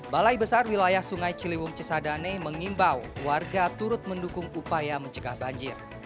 balai besar wilayah sungai ciliwung cisadane mengimbau warga turut mendukung upaya mencegah banjir